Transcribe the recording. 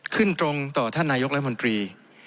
ขึ้นตรงต่อท่านนายกรัฐมนตรี